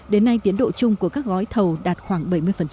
đến nay tiến độ chung của các gói thầu đạt khoảng bảy mươi